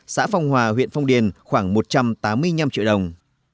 xã phong hòa huyện phong điền khoảng một trăm tám mươi năm triệu đồng